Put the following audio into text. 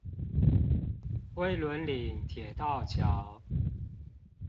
龜崙嶺鐵道橋